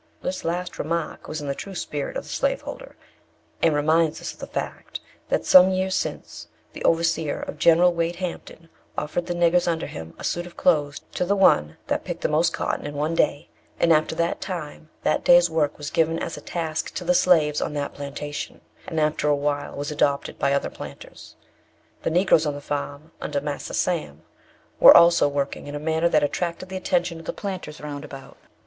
This last remark was in the true spirit of the slaveholder, and reminds us of the fact that, some years since, the overseer of General Wade Hampton offered the niggers under him a suit of clothes to the one that picked the most cotton in one day; and after that time that day's work was given as a task to the slaves on that plantation; and, after a while, was adopted by other planters. The Negroes on the farm, under "Marser Sam," were also working in a manner that attracted the attention of the planters round about.